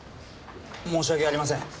申し訳ありません。